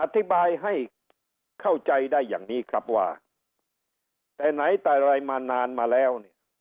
อธิบายให้เข้าใจได้อย่างนี้ครับว่าแต่ไหนแต่ไรมานานมาแล้วเนี่ย